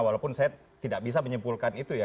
walaupun saya tidak bisa menyimpulkan itu ya